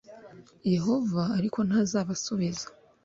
Yehova ariko ntazabasubiza